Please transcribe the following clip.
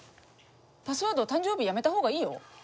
パスワード誕生日やめたほうがいいよ。